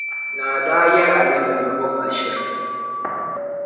Naa daa yɛli Alidu ni o ŋma ʒiri.